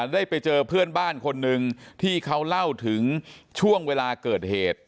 ได้ไปเจอเพื่อนบ้านคนหนึ่งที่เขาเล่าถึงช่วงเวลาเกิดเหตุ